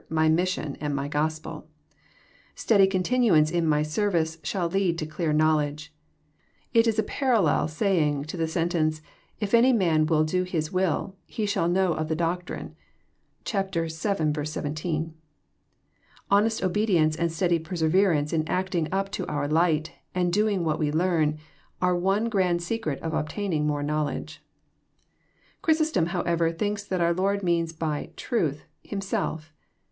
My mission, and My Gospel. Steady continuance in My service sbaU lead to clear knowledge. It is a parallel saying to the sentence, If any man will do His will, he shall know of the doctrine." (vii. 17.) Honest obedience and steady perse verance in acting up to our light, and doing what we learn, are one grand secret of obtaining more knowledge. Cfhrysostom however thinks that our Lord means by *' truth," Himself.